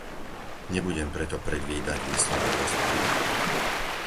Nebudem preto predvídať výsledok rozpravy.